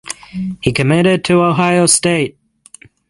He committed to Ohio State.